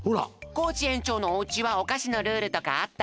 コージ園長のおうちはおかしのルールとかあった？